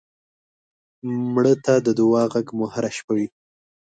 مړه ته د دعا غږ مو هر شپه وي